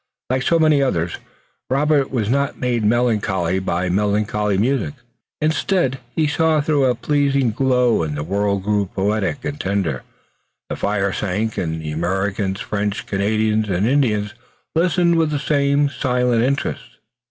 Like so many others, Robert was not made melancholy by melancholy music. Instead, he saw through a pleasing glow and the world grew poetic and tender. The fire sank and Americans, French, Canadians and Indians listened with the same silent interest.